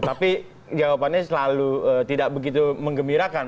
tapi jawabannya selalu tidak begitu mengembirakan